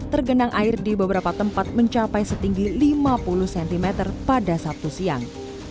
tergenang air di beberapa tempat mencapai setinggi lima puluh cm pada sabtu siang